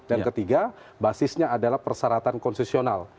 dan ketiga basisnya adalah perseratan konsesional